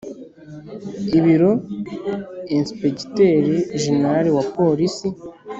Ibiro Ensipegiteri Jenerali wa Polisi